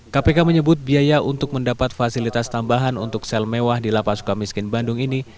kpk menyebut biaya untuk mendapat fasilitas tambahan untuk sel mewah di lapas suka miskin bandung ini